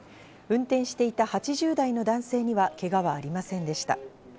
運転していた８０代の男性にはけがはありませんでした。